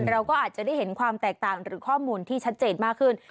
เราก็อาจจะได้เห็นความแตกต่างหรือข้อมูลที่ชัดเจนมากขึ้น